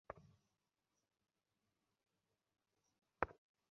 আশেপাশের সমস্ত গোত্রকেও আমরা সাথে নিচ্ছি।